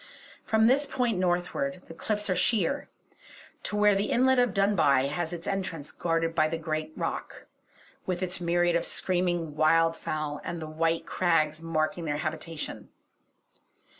From this point northward, the cliffs are sheer, to where the inlet of Dunbuy has its entrance guarded by the great rock, with its myriad of screaming wildfowl and the white crags marking their habitation.